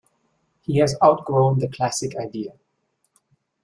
He has outgrown the classic idea...